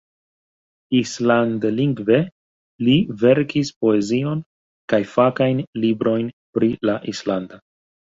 Island-lingve li verkis poezion kaj fakajn librojn pri la islanda.